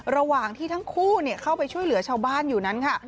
ระหว่างที่ทั้งคู่เข้าไปช่วยเหลือชาวบ้านอยู่นั้นค่ะ